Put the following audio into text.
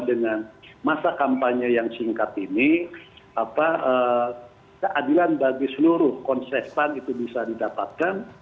dengan masa kampanye yang singkat ini keadilan bagi seluruh konsestan itu bisa didapatkan